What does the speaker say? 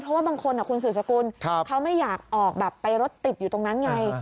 เพราะว่าบางคนคุณสื่อสกุลเขาไม่อยากออกแบบไปรถติดอยู่ตรงนั้นไง